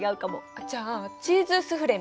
じゃあチーズスフレみたいに？